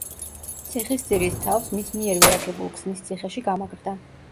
ციხისძირის თავს, მის მიერვე აგებულ ქსნის ციხეში გამაგრდა.